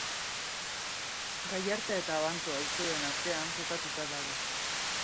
Gallarta eta Abanto auzoen artean kokatuta dago.